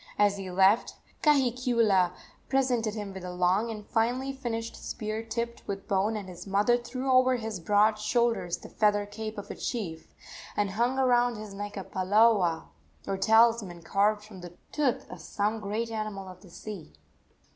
As he left, Kahikiula presented him with a long and finely finished spear tipped with bone, and his mother threw over his broad shoulders the feather cape of a chief, and hung around his neck a palaoa, or talisman carved from the tooth of some great animal of the sea.